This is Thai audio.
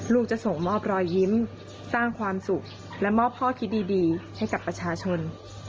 จะส่งมอบรอยยิ้มสร้างความสุขและมอบข้อคิดดีให้กับประชาชน